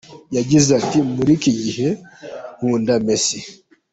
Yagize ati “Muri iki gihe nkunda Messi.